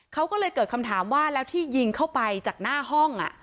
เขาก็เลยเกิดคำถามว่าแล้วที่ยิงเข้าไปจากหน้าห้อง